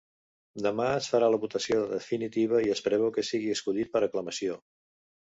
Demà es farà la votació definitiva i es preveu que sigui escollit per aclamació.